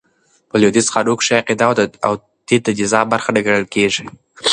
په لوېدیځ قانون کښي عقیده او دين د نظام برخه نه ګڼل کیږي.